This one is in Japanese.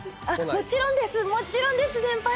もちろんです先輩。